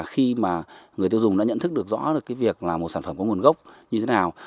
khi người tiêu dùng đã nhận thức rõ được việc một sản phẩm có nguồn gốc như thế nào